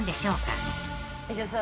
じゃあさ